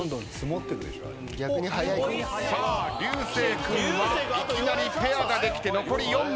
君はいきなりペアができて残り４枚。